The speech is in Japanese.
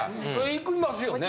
行きますよね。